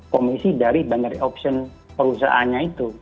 komisi dari binary option perusahaannya itu